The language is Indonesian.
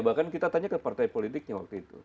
bahkan kita tanya ke partai politiknya waktu itu